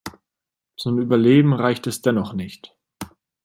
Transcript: Zum Überleben reichte es dennoch nicht.